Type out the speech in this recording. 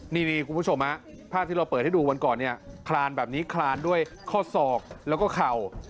นี่คุณผู้ชมภาพที่เราเปิดให้ดูวันก่อนเนี่ยคลานแบบนี้คลานด้วยข้อศอกแล้วก็เข่า